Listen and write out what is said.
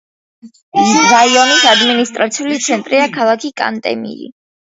რაიონის ადმინისტრაციული ცენტრია ქალაქი კანტემირი.